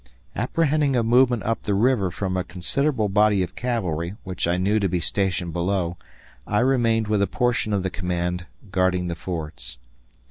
Apprehending a movement up the river from a considerable body of cavalry which I knew to be stationed below, I remained with a portion of the command guarding the fords.